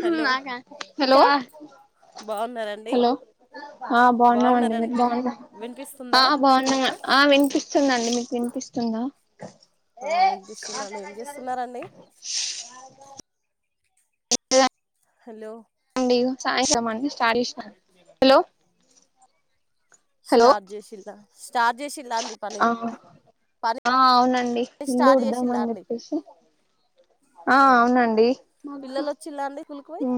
hello నా, hello బాగున్నారండి hello, బాగున్నామండి, బాగున్నారండి మీరు, విన్ బాగుంరా, ఆ వినిపిస్తుందా బాగు ఆ, వినిపిస్తుందండి, మీకు, వినిపిస్తుందా, ఆ ఏ మా వినిపిస్తుందండి ఏం చేస్తున్నారండి [inaudible] హలో అండి, సాయంత్రంఅండి, స్టార్ట్స్ చేసిన, హలో హలో స్టార్ట్, చేసిల్లా, స్టార్ట్ చేసిలాండి, పని ఆ పని ఆ అవునండి ఇల్లు స్టార్ట్ చేసిలా ఉడుదామని అండి చెప్పేసి ఆ అవునా అవునండి మాకు పిల్లలు వచ్చిలా అండి స్కూల్ కి పోయి ఊ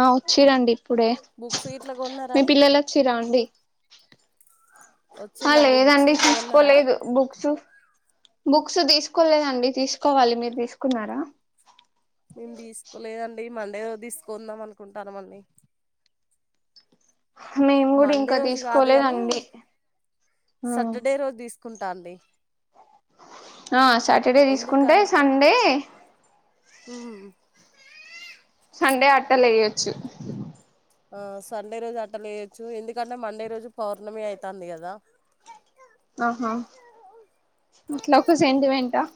ఆ వచ్చిరండి ఇప్పుడే బుక్స్ గిట్లా కొన్నారా మీ అండి పిల్లలు వచ్చిరా అండి ఆ వచ్చిలండి బుక్స్ లేదండి గిట్లా కొన్నారా తిసుకోలేదు బుక్స్ బుక్స్ తీసుకోలేదండి తీసుకోవాలి మీరు తీసుకున్నారా మేము తీసుకోలేదండి మండే రోజు తీసుకుందాం అనుకుంటానం అండి మేము కూడా మండే ఇంకా రోజు కాదు కాని తీసుకోలేదండి సటర్డే రోజు తీసుకుంటా అండి ఆ సాటర్డే తీసుకుంటే సండే ఊ సండే అట్టలు ఎయ్యొచ్చు ఆ సండే రోజు అట్ట లేయొచ్చు ఎందుకంటే మండే రోజు పౌర్ణమి అవుతాంది కదా ఆహా అట్లా ఒక సెంటిమెంట్ హ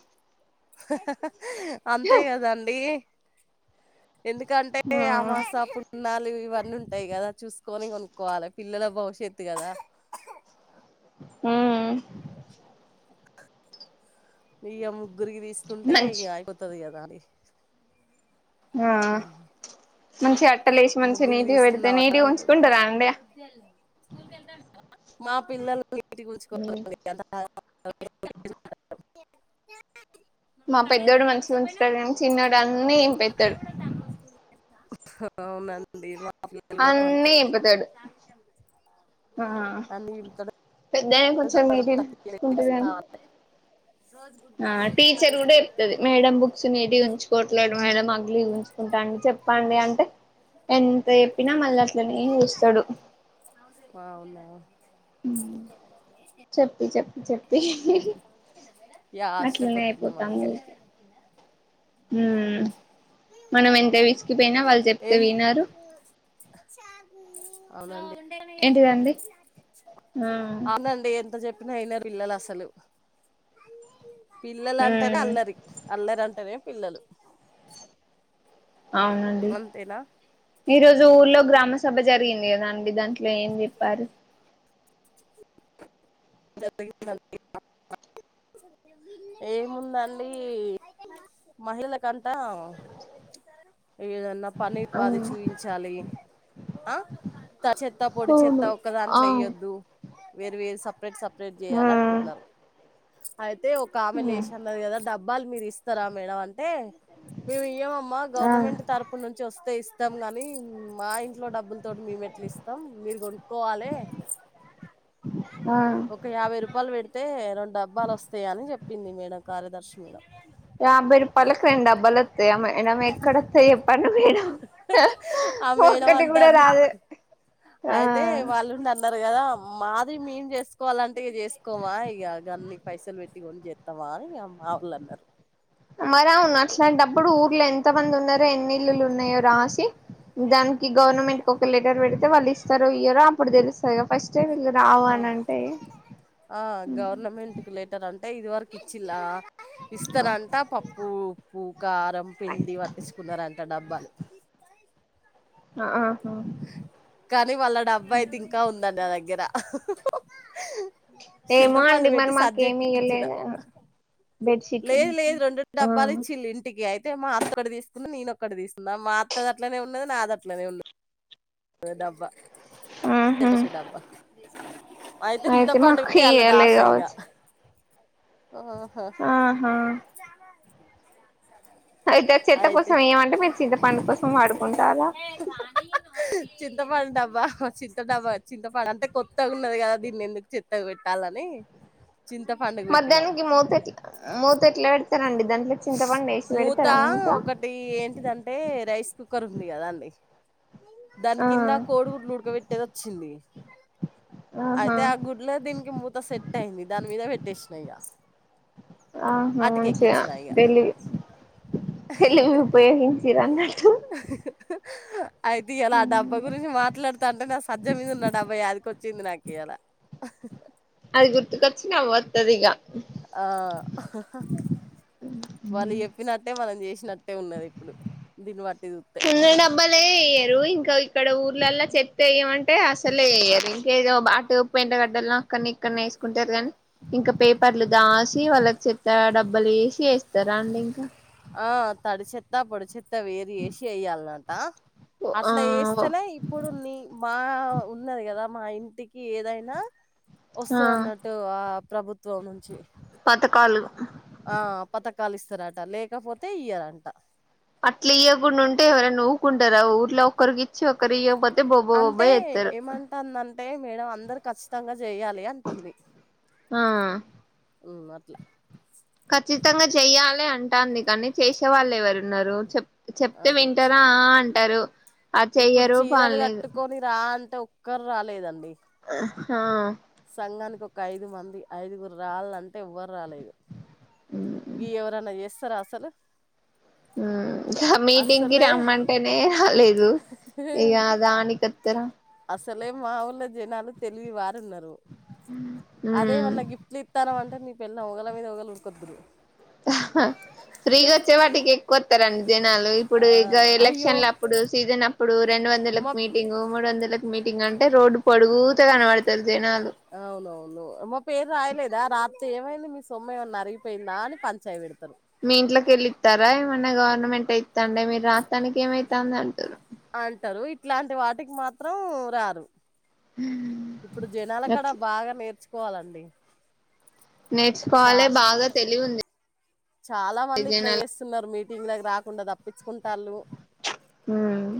అంతే కదాండి ఎందుకంటే ఆ అమాస పున్నాలు ఇవన్నీ ఉంటాయి కదా చూసుకొని కొనుక్కోవాలి పిల్లల భవిష్యత్తు కదా ఊ ఇయ్య ముగ్గురికి తీసుకుంటే మంచి ఇగ అయిపోతది కదా అని ఆ మంచిగా అట్టలేసి మంచిగా ముగ్గురికి నీటిగా పెడితే తీసుకుందామని నీటిగా అనుకుం ఉంచుకుంటారా అండి మా పిల్లలు నీట్ గా ఉంచుకోరాండి [unintelligible] మా పెద్దోడు మంచిగా ఉంచుతాడు కానీ చిన్నోడు అన్నీ చింపెతాడు అవునా అండి ఇవ మా పిల్లలు అన్నీ అంతే ఇంపుతాడు ఆ అన్ని చింపుతాడు పెద్దయిన [inaudible] కొంచెం నీటిగా ఉంచుకుంటాడు కానీ రోజ్ గుడ్ ఆ గర్ల్ టీచర్ కూడా చెప్తది మేడం బుక్స్ నీటిగా ఉంచుకోవట్లేదు మేడం అగ్లీగా ఉంచుకుంటండు చెప్పండి అంటే ఎంత పిన మళ్ళీ అట్లనే చేస్తాడు అవునా చెప్పి చెప్పి చెప్పి యా ఆట్లనె అష్టకొతుంది అయిపోతంది ఉ మనం ఎంత విసికిపోయినా వాళ్ళు చెప్తే ఏం వినారు అవునండి ఏంటిదండి ఆ అవునండి ఎంత చెప్పి న యినరు పిల్లలు అసలు పిల్లలు అంటేనే మ్మ్ అల్లరి అల్లరంటేనే పిల్లలు అవునండి అంతేనా ఈ రోజు ఊర్లో గ్రామ సభ జరిగింది కదా అండి దాంట్లో ఏం చెప్పారు జరిగిందండి [unintelligible] ఏముందండి మహిళల కంతా ఏదన్న పని ఉపాది చూయించాలి తడి చెత్త పొడి చెత్త అవును ఒక ఆ దాంట్లో వేయ్యొద్దు వేరు వేరు సపరేట్ సపరేట్ ఆ చేయ్యాల అంటున్నారు అయితే ఒక కామె లేషి న్నది కదా డబ్బాలు మీరు ఇస్తారా మేడం అంటే మేము ఈయమామ్మ ఆ గవర్నమెంట్ తరపు నుంచి చ వస్తే ఇస్తాం గాని మా ఇంట్లో డబ్బులతోటి మేము ఎట్లా ఇస్తాం మీరె కొనుక్కోవాలి ఆ ఒక యాభై రూపాయలు పెడితే రెండు డబ్బాలు వస్తాయి అని చెప్పింది మేడం కార్యదర్శి మేడం యాభై రూపాయలకి రెండు డబ్బాలు వత్తాయి [inaudible] ఎక్కడొత్తాయో చెప్పండి మేడం ఆ మేడం ఒక్కటి కూడా అంటాంది రాదు ఆ త్వరగా రా మాది మేమ్ చేస్ కోవాలి అంటే ఇగ చేస్కోవా ఇక గన్ని పైసలు పెట్టి కొని జేత్తావా అని మా వాళ్ళు అన్నారు మరి అవును అట్లాంటప్పుడు ఊర్లో ఎంత మంది ఉన్నారో ఎన్ని ఇల్లులు ఉన్నాయో రాసి దానికి గవర్నమెంట్కి ఒక లెటర్ పెడితే వాళ్ళు ఇస్తారో ఇయ్యరో అప్పుడు తెలుస్తది గా ఫస్టెమీ ఇయ్యరు ఆ ఆ గవర్నమెంట్కి లె టరంటా ఇది వరకు ఇచ్చిలా ఇస్తారంట పప్పు ఉప్పు, కారం, పిండి పట్టించుకున్నారంట డబ్బాలు ఆహా కానీ వాళ్ళ డబ్బా అయితే ఇంకా ఉందండి నా దగ్గర ఏమో చింతపండు అండి మరి పెట్టి సబ్జా మాకేమి ఎక్కించిన ఇయ్యలేదు బెడ్షీట్ లేదు లేదు రెండు డబ్బాలు ఇచ్చినింటికి అయి తే మా అత్త ఆడ తీసుకుంది నేనొక్కటి తీసుకున్న మా అత్తది అట్లనే ఉన్నది నాది అట్లనే ఉన్న ది డబ్బా ఆహా [inaudible] డబ్బా అయితే చింతపండు మాకు ఉట్టి అలా ఇయ్యలే దాచేయ్ ఇగ కావచ్చు ఆహా చానా అయితే చెత్త కోసం ఏమంటే మీరు చింత పండు కోసం వాడుకుంటారా చింతపండు డబ్బా చింత డబ్బా చింతపండు అంటే కొత్తగా ఉన్నది కదా దీన్ని ఎందుకు చెత్త కి పెట్టాలని చింతపండు మధ్యానికి మూత ఎట్లా మూత ఎట్లా పెడతారండి దాంట్లో చింతపండి వేసి పెడతారా మూత ఇది ఏంటిదంటే రైస్ కుక్కర్ ఉంది కదా అండి దాని ఆ కింద కోడిగుడ్లు ఉడకబెట్టేది వచ్చింది ఆహా అయితే ఆ గు డ్ల దీనికి మూత సెట్ అయింది దాని మీద పెట్టేసినా ఇగ ఆహ మంచిగా అటుకెక్కిచ్చిన ఇగ తెలివి తెలివి ఉపయోగించిరానట్లు అయితే ఇయాల ఆదాం [inaudible] గురించి మాట్లాడుతాంటే నా సజ్జ మీద ఉన్న డబ్బాయాదికి వచ్చింది నాకు ఇయాల అది గుర్తుకొచ్చిన నవ్ ఒత్తది ఇగ ఆ వాళ్ళు చెప్పినట్టే మనం చేసినట్టే ఉన్నది ఇప్పుడు దీన్ని బట్టి చూస్తే ఉన్న డబ్బలే వేయరు ఇంకా ఇక్కడ ఊర్లలా చెత్త ఏయ్యమ అంటే అసలే ఎయ్యరు ఇంకేదో బాటు ఎంటగడ్డ అక్కడని ఇక్కడనే వేసుకుంటారు కానీ ఇంకా పేపర్లు దాసి వాళ్ళకి చెత డబ్బులు వేసి వేస్తారా అండి ఇంకా ఆ తడిచేత్త, పొడిచేత్త వేరు చేసి ఎయ్యాల్నట అసలే ఆ యెస్తలే ఇప్పుడు ని మా ఉన్నది కదా మా ఇంటికి ఏదైనా ఆ వస్తాదన్న ట్టు ఆ ప్రభుత్వం నుంచి పథకాలు ఆ పథకాలు ఇస్తారట లేకపోతే ఇయరంట అట్ల ఇయ్యకుండా ఉంటే ఎవరైనా ఊకుంటారా ఊర్లో ఒక్కరికి చ్చో కరియ్యకపోతే బొబ్బ బొబ్బ చేత్తరు తందంటే మేడం అందరు కచ్చితంగా చేయాలి అంటుంది ఆ ఉం అట్ల కచ్చితంగ చెయ్యాలె అంటాంది కానీ చేసే వాళ్ ఎవరున్నరు చెప్ చెప్తే వింటరా అదొచ్చింది అంటరు అ ఇప్పుడు చెయ్యరు పాడ్ చీరలు లేదు కట్టుకొని రా అంటే ఒక్కర్ రాలేదండి అ హ సంఘానికొక్క ఐదు మంది ఐదుగురు రాళ్ళ టేవ్వర్ రాలేదు గి ఎవరన్నా చేస్తారా అసలు ఉమ్ ఘ మీటింగ్కి అసలే రమ్మంటేనే హాలేదు ఇగా దానికత్ తర అసలే మా ఊళ్ళ జనాలు తెలివి వారున్నరు ఉమ్ అదేమన్నా గిఫ్ట్లీత్ తనం అంటే నీ పెళ్ళాం ఒగల మీద ఒగల్ ఉరుకొద్దురు అ హ్హా ఫ్రీగొచ్చే వాటిక్ ఎక్కువొత్తరండి జనాలు ఆ, ఇప్పుడు గా అయ్యో ఎలక్షన్లప్పుడు సీజనప్ ఇప్పుడు రెండు వందలక్ మా మీటింగు మూడు వందలక్ మీటింగ్ అంటే రోడ్డు పొగుడుతా కనవడతరు జనాలు అవునవును మా పేర్ రాయలేదా రాత్తే ఏమైంది మీ సొమ్మ్ ఏమన్న అరిగిపోయిందా అని పంచాయి వెడతరు మీ ఇంట్లకెళ్ళి ఇత్తారా ఏమన్నా గవర్నమెంట్ ఎ ఇత్తాండె మీరు రాస్తనిక్ ఏమయితాంద్ అంటురు ఆంటరు ఇట్లాంటి వాటిక్ మాత్రం రారు ఇప్పుడు జనాల కాడ అట్లా బాగా నేర్చుకోవాలండి నేర్చుకోవాలె చాలా బాగా తెలివుంది చాలా మంది ఇట్లా చేస్తున్నారు మీటింగ్ లకి రాకుండా తప్పించుకుంటాళ్ళు ఊమ్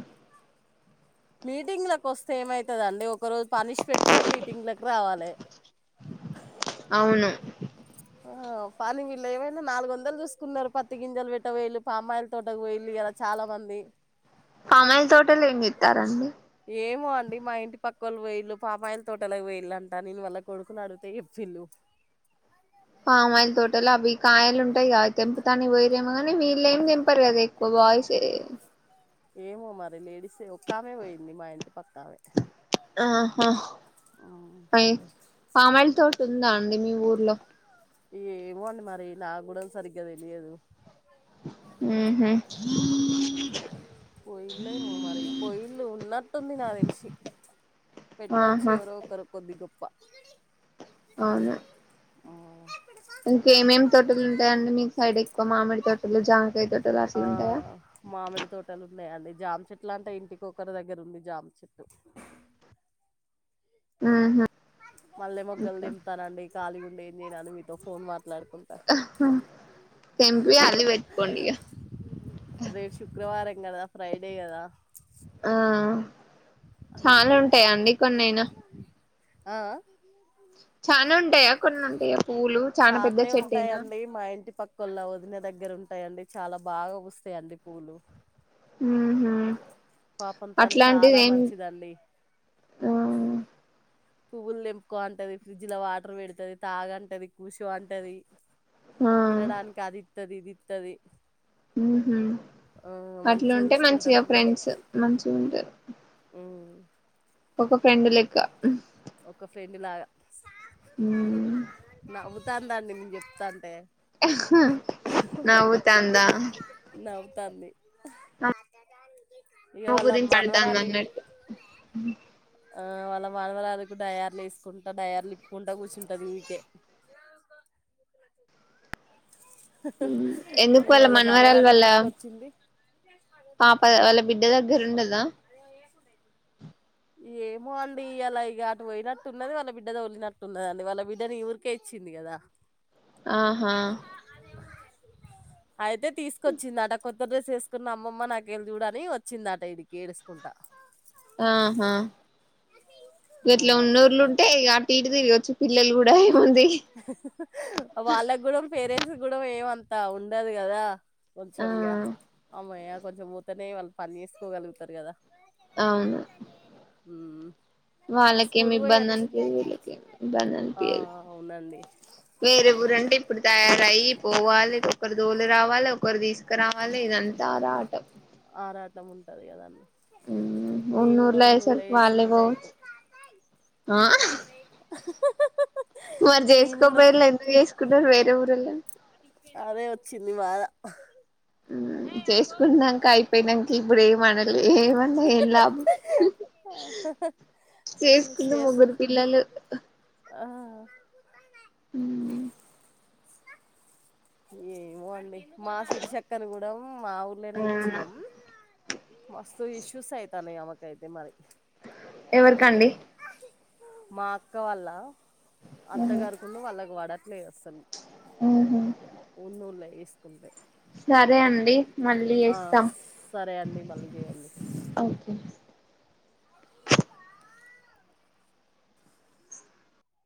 మీటింగ్ లక్ ఒస్తే ఏమైతదండి ఒక రోజు పనిష్ పెట్టుకొని మీటింగ్ లక్ రావాలె అవును ఆ పాలి వీళ్ళ ఏమైంది నాలుగొందల్ చూసుకున్నారు పత్తి గింజల్ వెట్ట వొయిల్లు పామ్మాయిల్ తోటక్ వోయిల్లు ఈ యల చాలా మంది పామాయిల్ తోటల్ ఏం జేత్తారండి ఏమో అండి మా ఇంటి పక్కోళ్లు వొయిళు పామాయిల్ తోటల ఓయిలంట నేను వల్ల కొడుకునడిగితే చేప్పిళ్ళు పామాయిల్ తోటల అవి కాయలుంటాయ్ గా అవ్ తెంపుతనిక్ వోయిరేమ గనీ వీళ్లెం తెంపరు గదే కొ వాయిస్ ఎ ఏమో మరి లేడీసే ఒక్కామె వోయింది మా ఇంటి పక్కామె ఆహా పై పామయిల్ తోట్ ఉందా అండి మీ ఊర్లో ఏమోండి మరి నాగ్గూడ సరిగ్గా తెలియదు ఊహు పోయిల్లో ఏమో మరి పోయిల్లు ఉన్నట్టుంది నా దెలిశి పెట్టొచ్చు ఆహా ఎవరో ఒకరు కొద్ది గొప్ప అవును ఆ ఇంకేమేమ్ తోటల్ ఉంటాయాండి మీ సైడ్ ఎక్కువ మామిడి తోటలు జాంకాయ్ తోటలు ఆ అసల్ ఉంటాయా మామిడి తోటల్ ఉన్నాయండి జామ్ చెట్లంటే ఇంటికొకరు దగ్గర్ ఉంది జాం చెట్టు ఊహ్ మల్లే మొగ్గల్ తెంపుతానండి ఖాళీగుండి ఏం చేనని మీతో ఫోన్ మాట్లాడుకున్ అహ్హ తెంపి అల్లి వెట్టుకోండిగా రేప్ శుక్రవారం కదా ఫ్రైడే గదా ఆ చాలా అందుకే ఉంటాయా అండి కొన్నైనా ఆ చానా ఉంటాయా కొన్ని ఉంటాయా పూలు చాలా పెద్ద చెట్టే నా ది మా ఇంటి పక్ క్కో ల్ల వదిన దగ్గర ఉంటాయండి చాలా బాగా పుస్తాయండి పూలు ఉ హు పాపం తను చాలా మంచిదండి ఆ పూలు తెంపుకో అంటది ఫ్రిడ్జ్ లో వాటర్ పెడతది తాగంటది కూసో అంటది ఆ తినడానికి అదిత్తది ఇదిత్తది మ్ హు అట్ల ఉంటే మంచిగా చూసుకుంటారండి ఫ్రెండ్స్ మంచి గుంటారు మ్ ఒక ఫ్రెండు లేక్క ఒక ఫ్రెండ్ లాగా నవ్వు తాందండి నేను చెప్తాంటే ఆహ్ నువ్వుతాంద నవ్వుతాంది ఇయ వాళ్ళ మనవరాలు ఉ హ్మ్ ఆ వాళ్ళ మన్మరాలుకు డయార్లు ఏస్కుంటా డయార్లు ఇప్పుకుంటా కూర్చుంటంది ఊకె హ్మ్ ఎందుకు ఇగ వాల్ వాళ్ళ మన్వరాల్ మనవరాల్ని వాల్ల తీసుకొచ్చింది పాప ఆ వాళ్ళ బిడ్డ దగ్గర్ ఉండదా ఏమో అండి ఇలా ఇక అటు పోయినట్టున్నది వాళ్ళ బిడ్డ ఓద్లినట్టున్నదండి వాళ్ళ బిడ్డని ఈ ఊరికే ఇచ్చింది కదా ఆహా అయితే తీస్కొచ్చిందట కోత్ త్త డ్రెస్ ఏస్కున్న అమ్మమ్మ నాక్ ఏల్ చూడని వచ్చిందట ఇడకి ఏడుస్కుంటా ఆహా ఆ ఇట్లా అట్లా ఉన్నోర్లు ఉంటే ఇగ అ టు ఇటు తిరగోచ్చు పిల్లల్ కూడా ఏముంది వాళ్ళక్ కూడా పేరెంట్స్ కూడా ఏమంతా ఉండదు కదా ఆ కొంచెం ఇగా అమ్మాయా కొంచెం పోతనే వాళ్ పని చేస్కోగల్గుతారు కదా అవును ఊమ్ వాళ్ళకేమి స్కూలుపోయి ఇబ్బంది అచ్చింద్ అనిపియదు వీళ్ళకేమి ఇబ్బంది ఆ అనిపియదు అవునండి వేరే ఊరంటే ఇప్పుడు తయారయి పోవాలి ఒకరు దోలు రావాలి ఒకరు తీస్ రావాలే ఇదంతా ఆరాటం ఆరాటం ఉంటది కదండి ఊమ్ నేను కూడా ఉన్నూర్లో ఉన్నూళ్లో అయ్యేసరికి వాళ్ళే వేసుకుంటే పోవచ్చు ఆ ఆ హ్హ్హ్హ్హ్హ్ మరి చేస్కోపోయలా ఎందుక్ చేస్కున్నారు వేరే ఊరుల్లని అదే వచ్చింది బాధ చేస్కున్నాక అయిపోయినాక్ ఇప్పుడు ఏమనలే ఏమన్నా ఏం లాభం హ హ చేస్కుంటే ముగ్గుర్ పిల్లలు ఆ మ్ ఏమోఅండి మా శిరిషక్కని కూడా మా ఊర్లోనే ఇచ్చినం మస్తు ఇష్యూస్ అయితనై ఆమెక్ అయితే మరి ఎవరికండి మా అక్క వాళ్ళ అత్తగారు అవును వాళ్ళకు పడట్లేదు అస్సలు ఆ హ ఉన్నోళ ఏస్కుంటే సరే అండి మళ్ళీ చేస్తాం సరే అండి మళ్ళీ చేయండి ఓకే